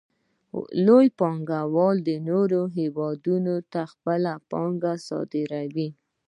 لوی پانګوال نورو هېوادونو ته خپله پانګه صادروي